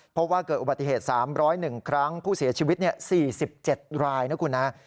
เพราะว่าเกิดอุบัติเหตุ๓๐๑ครั้งผู้เสียชีวิต๔๗รายนะคุณนะ